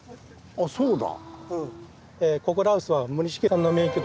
あっそうだ。